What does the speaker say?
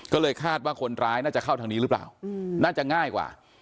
ก็เลยคาดว่าคนร้ายน่าจะเข้าทางนี้หรือเปล่าน่าจะง่ายกว่า